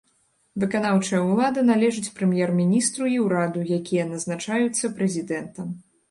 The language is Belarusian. Выканаўчая ўлада належыць прэм'ер-міністру і ўраду, якія назначаюцца прэзідэнтам.